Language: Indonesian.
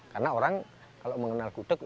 karena orang kalau mengenal gudek